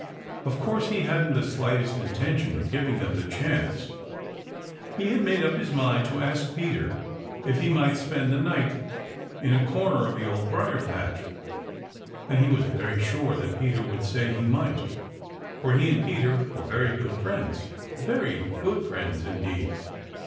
Of course, he hadn't the slightest intention of giving them the chance. He had made up his mind to ask Peter if he might spend the night in a corner of the Old Briar patch, and he was very sure that Peter would say he might, for he and Peter are very good friends, very good friends indeed.